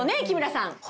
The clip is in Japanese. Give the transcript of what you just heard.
木村さん。